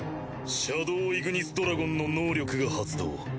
シャドウ・イグニスドラゴンの能力が発動。